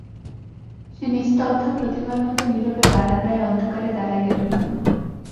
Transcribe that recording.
সে নিস্তব্ধ প্রতিমার মতো নীরবে বারান্দায় অন্ধকারে দাঁড়াইয়া রহিল।